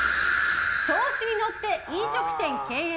調子に乗って飲食店経営！